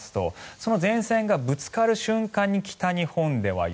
その前線がぶつかる瞬間に北日本では雪。